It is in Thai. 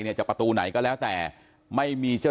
ทางรองศาสตร์อาจารย์ดรอคเตอร์อัตภสิตทานแก้วผู้ชายคนนี้นะครับ